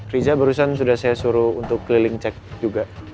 riza barusan sudah saya suruh untuk keliling cek juga